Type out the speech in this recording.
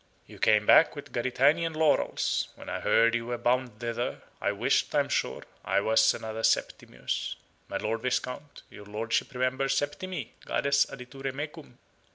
You come back with Gaditanian laurels; when I heard you were bound thither, I wished, I am sure, I was another Septimius. My Lord Viscount, your lordship remembers Septimi, Gades aditure mecum?"